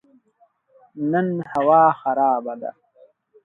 نن هوا خراب ده